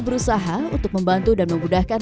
berusaha untuk membantu dan memudahkan